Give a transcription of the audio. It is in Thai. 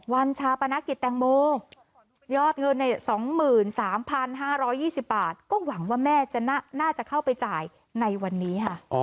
ชาปนกิจแตงโมยอดเงิน๒๓๕๒๐บาทก็หวังว่าแม่น่าจะเข้าไปจ่ายในวันนี้ค่ะ